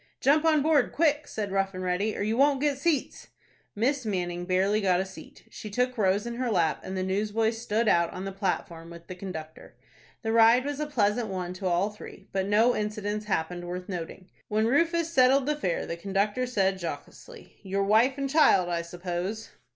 "Jump on board quick," said Rough and Ready, "or you won't get seats." Miss Manning barely got a seat. She took Rose in her lap, and the newsboy stood out on the platform with the conductor. The ride was a pleasant one to all three, but no incidents happened worth noting. When Rufus settled the fare, the conductor said jocosely, "Your wife and child, I suppose?"